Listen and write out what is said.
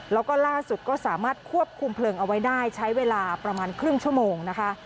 แล้วก็ล่าสุดก็สามารถควบคุมเพลิงเอาไว้ได้ใช้เวลาประมาณครึ่งชั่วโมงนะคะ